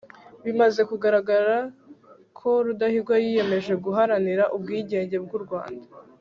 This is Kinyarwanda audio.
bimaze kugaragara ko rudahigwa yiyemeje guharanira ubwigenge bw'u rwanda